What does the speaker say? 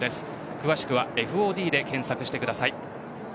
詳しくはＦＯＤで検索してください。